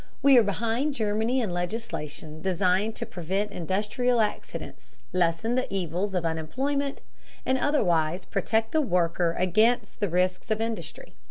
We are behind Germany in legislation designed to prevent industrial accidents, lessen the evils of unemployment, and otherwise protect the worker against the risks of industry.